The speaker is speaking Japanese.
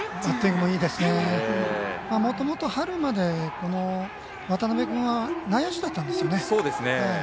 もともと春まで渡邊君は内野手だったんですね。